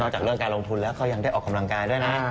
จากเรื่องการลงทุนแล้วเขายังได้ออกกำลังกายด้วยนะ